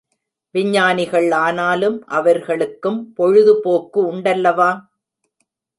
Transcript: விஞ்ஞானிகள் ஆனாலும் அவர்களுக்கும் பொழுது போக்கு உண்டல்லவா?